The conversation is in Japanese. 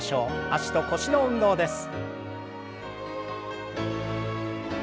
脚と腰の運動です。